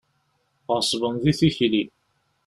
Ɣeṣben di tikli.